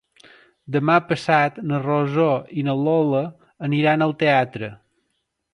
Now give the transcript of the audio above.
Demà passat na Rosó i na Lola aniran al teatre.